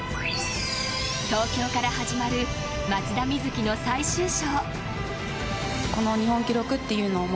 東京から始まる松田瑞生の最終章。